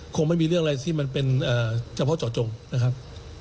คงไม่มีเรื่องอะไรที่มันเป็นเฉพาะเจาะจงนะครับ